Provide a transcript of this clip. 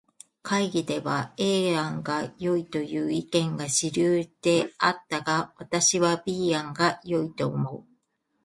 会議では A 案がよいという意見が主流であったが、私は B 案が良いと思う。